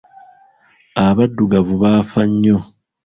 Abaddugavu baafa nnyo.